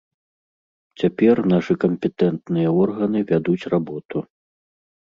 Цяпер нашы кампетэнтныя органы вядуць работу.